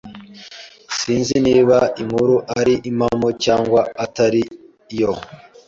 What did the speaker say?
Sinzi niba inkuru ari impamo cyangwa atari yo.